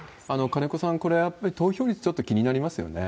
金子さん、これ、やっぱり投票率、気になりますよね。